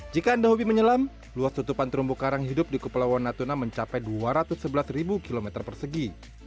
jika anda hobi menyelam luas tutupan terumbu karang hidup di kepulauan natuna mencapai dua ratus sebelas km persegi